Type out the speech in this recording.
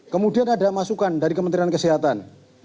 kemudian ada masukan dari kementerian kesehatan